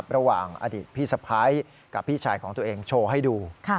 ระหว่างอดีตพี่ศัพท์กับพี่ชายของตัวเองโชว์ให้ดู